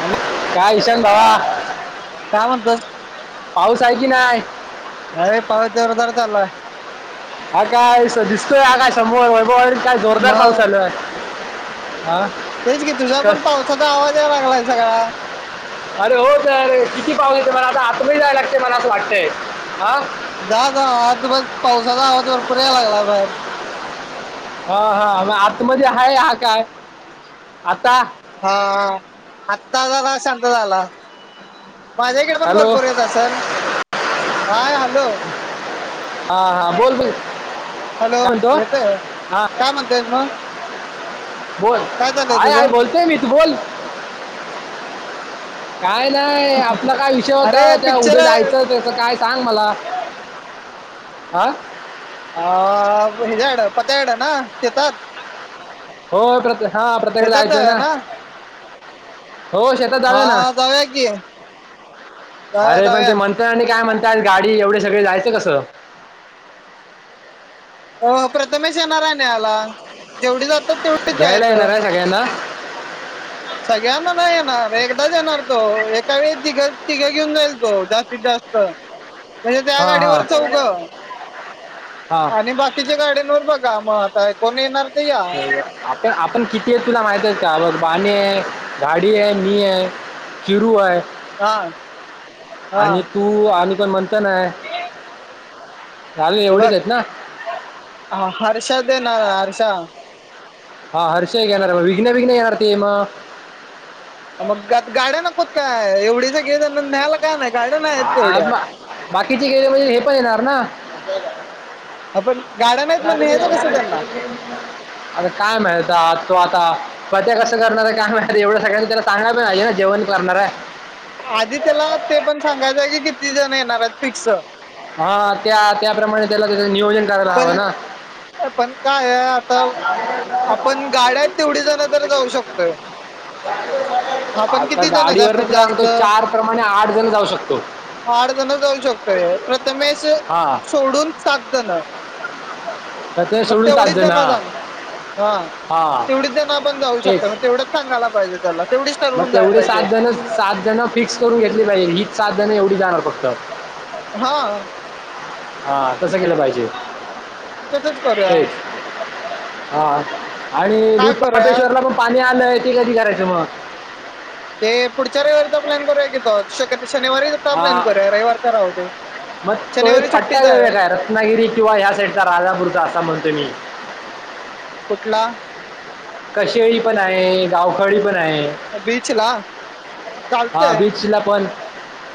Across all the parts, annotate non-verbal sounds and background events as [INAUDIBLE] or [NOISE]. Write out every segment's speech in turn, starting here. Hello काय विशाल भावा काय म्हणतोस पाऊस हाय. की न्हाय? अरे पाऊस जोरदार धरलाय. हा काय [UNINTELLIGIBLE] दिस दिसतोय हा काय समोर वैभव काय जोरदार पाऊस मग चालू आहे हा तेच की तुझा पण कस पावसाचा आवाज याय लागलाय. सगळा. अरे हो तर किती पाऊस, मला आता आतमध्ये जायाय लागतय मला अस वाटतय आ [UNINTELLIGIBLE] जा जा आज आत बस पावसाचा आवाज भरपूर यायलागलाय बाहेर हा हा म आतमध्ये हाय हा काय आता हा हा आत्ता जरा शांत झाला माझ्या इकडे पण हॅलो भरपूर येत सरल हाय हॅलो हा हा बोल ब हॅलो कायणतो येतोय हा काय म्हणतेस मग बोल काय चाललंय आय आय तुझं बोलतोय मी तू बोल काय नाही आपला काय विषय अरे होता त्या पिक्चर उद्या जायचं त्याचं काय सांग मला आं ह्याच्याकडं पत्याकडं ना तेेतात हो प्रत्य हा प्रत्येकडे जायचंय ना हो शेतात जावया ना हा जाऊया की जाऊया अरे पण ते जाऊया म्हणतय आणि काय म्हणत त्यात गाडी एवढे सगळे जायचं कस. हो प्रथमेश येणार आहे न्ह्यायला जेवढी जात तर तेवढीच घ्यायला जायच येणार आहे सगळ्यांना सगळ्यांना नाही येणार एकदा येणार तो एका वेळी तिघ तिघं घेऊन जाईल तो जास्तीत जास्त म्ह त्या हां गाडीवर हां चौघ हां आणि बाकीच्या गाड्यांंवर बघा मग आताय कोणी येणार ते या हो आपण, [UNINTELLIGIBLE] आपण किती आहे तुला माहित आहे का बघ बाने गाडी आहेै मी है चिरू आहेै. हा हा आणि तू आणि कोण म्हणत नाय हे बघ हर्षा दे ना हर्षा हा हर्ष एक घ येणार म विघ्न विघ्न येणार ते मग मगता गाड्या नकोत काय एवढी स गे न्यायला लाग आज बाकीचे गेले म्हणजे हे पण येणार ना आपण गाड्या नाहीत मग न्यायचं कसं त्यांना आता काय माहीत आता तो आता पत्या कसं करणार आहे काय मा एवढं सगळ्यांनी त्याला चांगणार पण नाहीे ना जेवण करणार आहे आधी त्याला ते पण सांगायचंय क किती जण येणार आहेत पिक्स हा त्या त्याप्रमाणे त्याला त्या नियोजन करायला हवं ना अ पण कायय आता आपण गाड्यात तेवढी जण तर जाऊ शकतोय आपण आता किती जण जास्तीत गाडीवरच जास्त राहतो चार प्रमाणे आठ जण जाऊ शकतो हड जण जाऊ शकतोय प्रथमेश हा सोडून सात जण तर ते मग सोडून सात तेवढीच जण जाण हा जाण हा हा तेवढीच ज ना पण जाऊ शकता तेच म तेवढंच सांगायला पाहिजे त्याला तेवढीच मग ठरवून जायला तेवढे पाहिजे सात जण सात जण फिक्स करून घेतली पाहिजे हीच सात जण एवढी जाणार फक्त हा हा तस केलं पाहिजे तसंच करूया तेेच हा आणि काय करूया दूधपाबेश्वरला पण पाणी आलंय ते कधी करायचं मग ते पुढच्या रविारीचा प्लॅन करूया कि शक्य शनिवारी हा प्लॅन करूया रविवारचा राहू ते मग तो एक पट्टा देव काय रत्नागिरी किंवा ह्या साईडचा राजापूरचा असा म्हणतो. बनी [INAUDIBLE] कुठला? कशेळी पण आहे गावखळीण आहे बीचला हा चालतंय बीचला पण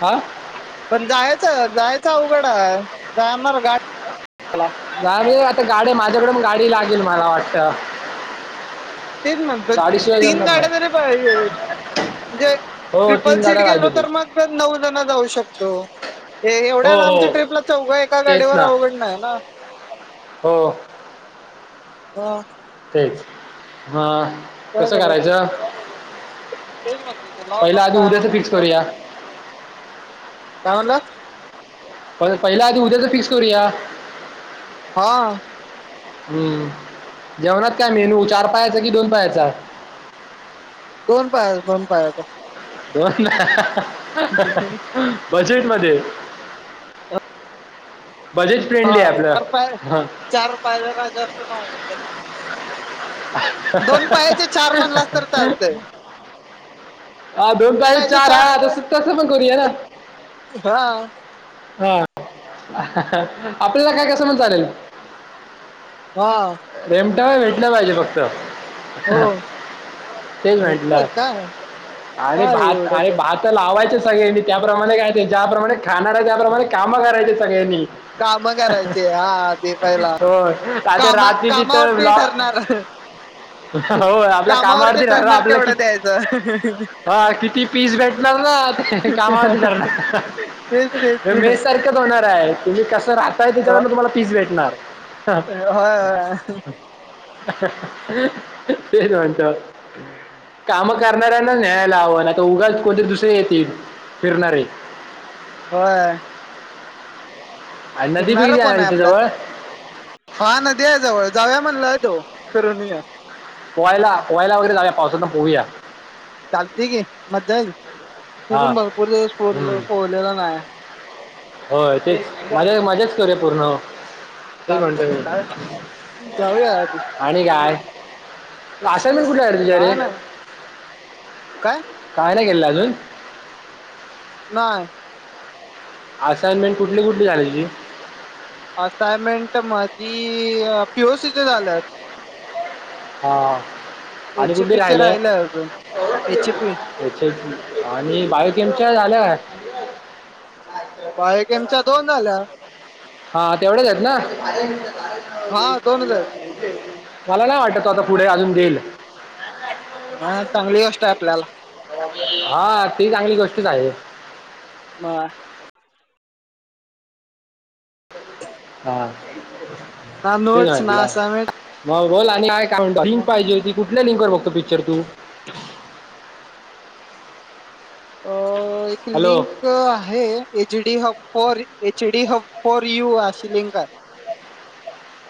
हा पण जायचं, जायचं उवघड आहे, जाणार गाडी ग र आता गाडी माझ्याकड गाडी लागेल मला वाटत तेच म्हणत तीन गाड्या नाही जरी पाहिजे. म्हणजे हो ट्रिपल तीन सीट गाड्या गेलो पाहिजे ते तर मग नऊ जण जाऊ शकतो. हो एवढ्या आमच्या हो ट्रिपला चौघ एका तेच गाडीवर ना अवघड नाही ना, हो ह तेच हा कसं करायचं? ते म पहिलं लगग आधी काय म्ह उद्याचं फिक्स नत करूया [INAUDIBLE] काय म्हणाला. प पहिल्या आधी उद्याच फिक्स करूया. हा. हम्म जेवणात काय मेनू चार पायाचा कि दोन पायाचा. दोन पाया दोन पायाचा. दोन बजेट मध्ये. बजेट हा फ्रेंडली आहे चार आपलं पाय हां चार पायाला जास्त. दोन पायाचे चार म्हणलास तर चालतंय [UNINTELLIGIBLE] हा दोन पाहिजे चार हा तस तसं पण करूया ना हा हा. आपल्याला काय कसं म्ह चालेल. वा! काय भेटलं पाहिजे फक्त हो तेच भेटतय भेटलं. काय आणि काय भात एवढं आणि तर भात ला. खवायचे सगळ्यांनी, त्याप्रमाणे काय ज्याप्रमाणे खाणार आहे त्याप्रमाणे काम करायचे सगळ्यांनी. काम करायचे हा ते पहिला हो आ काम रात्री त कामावरती तरॉ. ठरणार [INAUDIBLE] हो आपल्या कामावरती राह ठरणार आपलं केवढं किती. द्यायचं हा किती पीस भेटणार ना कामामध्ये तेच तेच जाणार. मे सारखंच होणार आहे तुम्ही कसं आताय त्याच्यावर तुम्हाला पीस भेटणार. होयय. ते म्हच्या काम करणार. न्यायला आव आता उगा कोणतरी दुसरे येत फिरणारे. बर. आणि नदी बी फिरणार किती कोण आहे तिथे आपल्यात जवळ हा नदी आहे जवळ. जावया म्हणलाय तो करून. कोवायला पयाला वगैे जाग पावसाातून पवूया. चालते की मज्जा येल ते हा पण भरपूर दिवस हम्म. पोहलेला नाही. होय तेच माझ्या माझ्याच करूया पूर्ण. ते चालतो म्हणतो की मी जाऊया जाऊया आणि काय. आसामन कुठन विचार काय नाही काय कानकलाु. [INAUDIBLE] नाय. असाइनमेंट कुठली कुठली झाली तुझी? ती पिओसीच्या झाल्यात. हां. एच ए पीचे राहिल्या अजून. H P H A P, आणि बायोकेमच्या झाल्या का [UNINTELLIGIBLE] बायोकेमच्या दोन झाल्या. हा तेवढेच आहेत ना? हा दोन हजार मला नाही वाटत तो आता पुढे अजून देईल. हा चांगली गोष्ट आहे. आपल्याला हा ती चांगली गोष्टच आहे. म ना नोट्स ना असाइनमेंट [UNINTELLIGIBLE] बोल आणि काय काम का, लिंक पाहिजे होती कुठल्या लिंकवर बघतो पिक्चर तू? अ एक हॅलो लिंक आहे H D hub. For H D hub for you अशी लिंक आहे.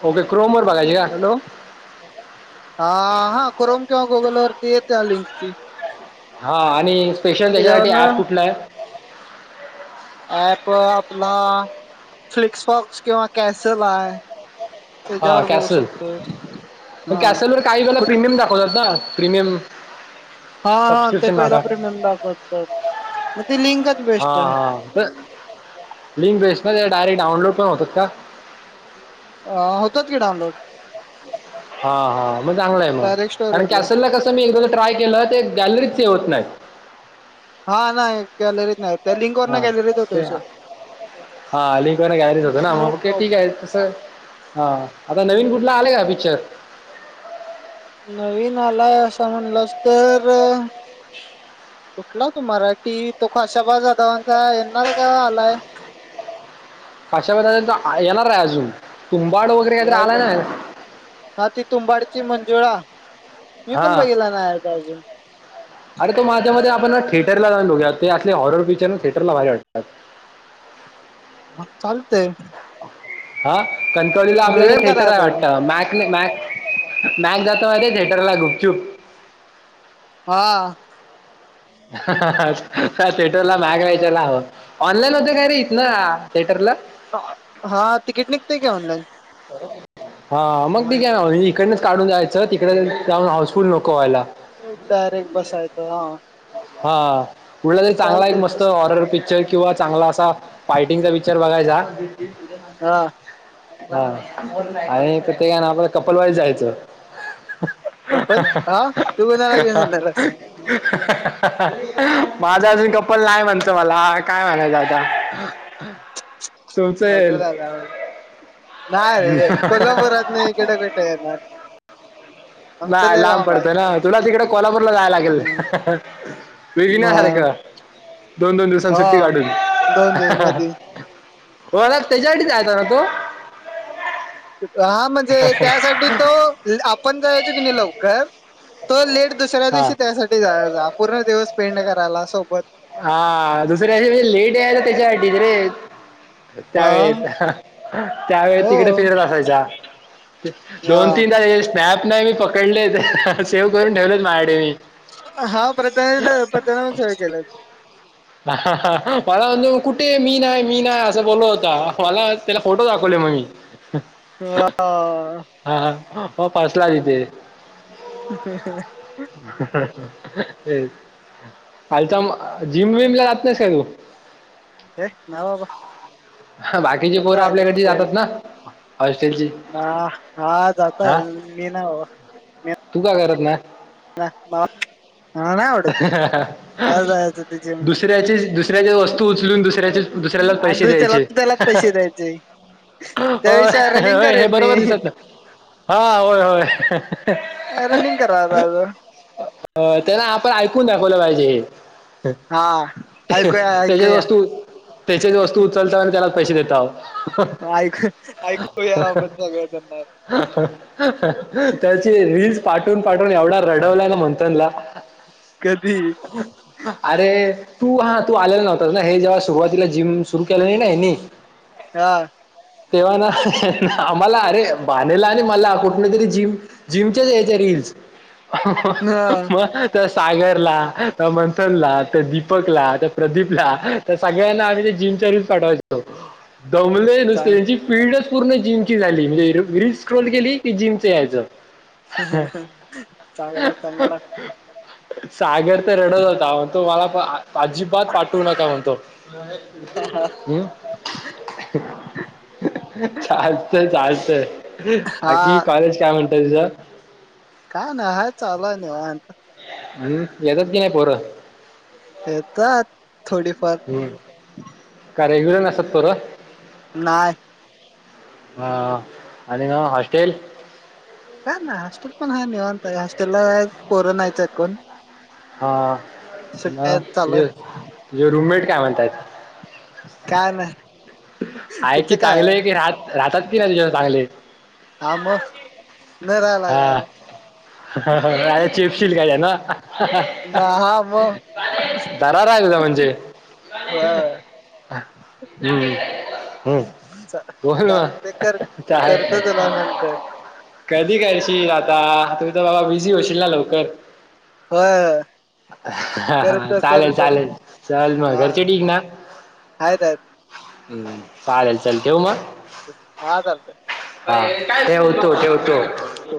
ओके क्रोम वर हॅलो, आ हा. क्रोम किंवा गुगलवरती येते लिंक ती. हा आणि स्पेशल त्याच्यासाठी ऍप कुठला आहे? एप अ आपला फ्लिक्सफोक्स किंवा कॅसेल आहे. हा त्याच्यावर बघू कॅसल. शकतो पण हा कॅसेल वर काही वेला कुठ प्रीमियम दाखवतात ना, प्रीमियम हा हा ते सबस्क्रिप्शन पहिला मागा प्रीमियम दाखवतात. मग त लिंंकच बेस्ट हां आहे. हां तर लिंक बेस्ट ना, ते डायरेक्ट डाउनलोड पण होतात का? अ होतात की डाऊनलोड. हा हा, मग चांगलंय मग. कारण स्टोरेजला. कॅसेल ला कसं मी एकदा ते ट्राय केलं ते गॅलरीत सेव होत नाही. हा नाही, गॅलरीत नाही त्या लिंकवरुन गॅलरीत होतो सेव्ह. हा लिंकवरन गॅलरीत होतं ना मग ठीक प्रॉब्लेम आहे तस हा आता नवीन कुठला आले का पिक्चर नवीन आलाय असं म्हणल तर कुठला तो मराठी, तो खशाबा जाधवांचा येणार आहे का आलाय? खाशाबा त्यांचा, येणार आहे अजून. तुंबाड वगैरे काहीतरी यायच आला ना, ह ती तुंबाडची मंजुळा मी पण हां बघेला नाय काय अजून अरे तो माझ्या मते आपण ना थिएटरला जाऊन बघूया, असले हॉरर पिक्चर ना थिएटरला भारी वाटतात. चालतंय. हा, कणकवलीला आपल्या इथ वेळ थिएटर करायला पाहिजे वाटतं, मॅकॅ मॅ जातो माहितीये थिएटरला गुपचुप. हा बर. [UNINTELLIGIBLE] ऑनलाईन मध्ये काय राहत ना थिएटरला? हा तिकीट निघते की ऑनलाईन. हा मग ठीक आहे ना, इकडनच काढून जायचं तिकडे जाऊन हाऊसफुल नको व्हायला. डायरेक्ट बसायचं हा हा कुठला तर चांगला एक चालतंय मस्तं तसं हॉरर पिक्चर किंवा चांगला असा, फायटिंगचा पिक्चर बघायचा हा हा, आणि ते का ना आपण हाय कपलवाणी जायचं. कपल हा तू बणारला घेऊन येणारस माझा अजून कप्पल नाही म्हणत मला काय म्हणायचं आता हो तुमचं कडद राहल नाही रे कोल्हापुरात नाही कटकेठ येणार आमचं नाय लय लांब आहे पडतो ना तुला तिकडे कोल्हापूरला जाय लागेल वेगी म नाही सारे का दोन दोन दिवसां सुट्टी हो काढून दोन दिवस मधी होर त्याच्यासाठीच आहेता ना तो हा म्हणजे त्यासाठी तो आपण ज क लवकर तो लेट दुसऱ्या हा दिवशी त्यासाठी जा पूर्ण दिवस पेंड करायला सोबत हा दुसऱ्या दिवशी म्हणजे लेट यायचा त्याच्यासाठी रे हा त्यावेळेत त्यावेळे तिकडे हो फिरत असायच्या हा दोन तीन तास स्नॅप नाही मी पकडले सेव्ह करून ठेवलेच माहाडे मी हा प्रत प्रतञ नच ह ह ह फला कुठे मी नाही मी नाही असं बोललो होता मला त्याला फोटो दाखवले मग मी ह हो फसला तथे फाल तर जिम विम ला जात नाहीस का तू हे ना बाबा बाकीचे कोण पोर आपल्याकडचे जातात ना. हॉस्टेलची ह हा जातय हां मी ना मी तू का करत नाही ह बा हा ना आवड. काय जायचं त जे दुसऱ्याची दुसऱ्याची वस्तू उचलून दुसऱ्याचे दुसऱ्यालाच आणि पैसे दु त्याला त्यालाच पहि से द्यायचे. त्यापेक्षा रनिंग होयय हे करेन मी बरोबर दिसत हाय होय. रनिंग करज. अ त्यांना आपण ऐकून दाखवलं पाहिजे हे. हा. ऐकूया त्याच्याच ऐकूया वस्तू त्याच्याच वस्तू उचलता आणि त्याला पैसे देत. ऐकू ऐकूया आपण सगळं त्यांना. त्याची रीलीलस पाठून पाठून एवढा रडवलाय ना मंथनला. कधी? अरे तू हा तू आलेला नव्हत ना हे जेव्हा सुरुवातीला जिम सुरु केले नाही ना. हा. तेव्हा ना आम्हाला अरे बानेला आणि मला कुठ तरी जिम जिमच्याच याच्या री ह. हा. मग त्या सागरला त्या मंथन ला, त्या दीपक ला. प्रदीपला, तर सगळ्यांना आम्ही ते जिमच्या रूच पाठवायचोत. दमले नुसते चांग त्यांची फीडच पूर्ण जिमची झाली म्हणजे रि स्क्रोल केली की जिमच यायचं. ह चांगला चांगला. सागर तर रडत होताण तो मला अजिबात पाठवू नका म्हण तो. हम्म. चालतय चालतंय. बाकी हा कॉलेज काय म्हणतय तुझ? का नाही हाय चालाय नाही निवांत. हम् येतच नाहीये पोर. येतात थोडीफार. हम्म का रेग्युलर नसतात पोरं.? नाय. हा आणि ना हॉस्टेल. काय ना हॉस्टेल पण ह निवता हॉस्टेलला पोर नाहीयच कोण. हा सुट्ट्या आहेत चालू तुे आहेत तुे रुममेट काय म्हणतायात. काय नाही आहे की तुमचं काय चांगले की राहत राहतात की नाही तुच्या चांगले. हा मग. न राहिला हा काय. अरे चिपशील काय आहे ना. ना. हा मग दरारा आहे तुझा म्हणजे होय हम्म. हम्म. चा- बोल चालतंय कर च करतो तुला नंतर का? करशील आता तु तर बाबा बिझी होशील ना लवकर. होय. हा हा करतो चालेल करतो चालेल. चल मग हा घरचे ठीक ना? आहेत आहेत. हम्म चालेल चल ठेव मग. हा चालतंय. हा ठेवतो ठेवतो. हो.